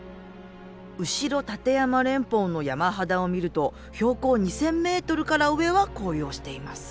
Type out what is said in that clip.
後立山連峰の山肌を見ると標高２，０００ｍから上は紅葉しています。